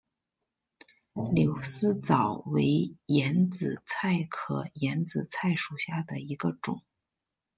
柳丝藻为眼子菜科眼子菜属下的一个种。